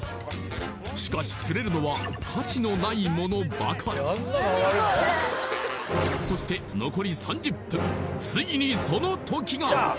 しかし釣れるのは価値のないものばかりそして残り３０分ついにその時が！